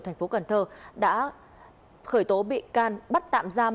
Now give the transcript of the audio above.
thành phố cần thơ đã khởi tố bị can bắt tạm giam